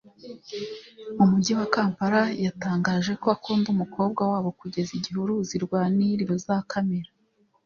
mu mujyi wa Kampala yatangaje ko akunda umukobwa wabo kugeza igihe uruzi rwa Nil ruzakamira